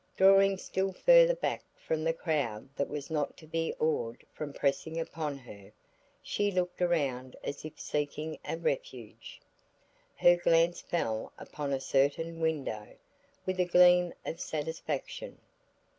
Drawing still further back from the crowd that was not to be awed from pressing upon her, she looked around as if seeking a refuge. Her glance fell upon a certain window, with a gleam of satisfaction.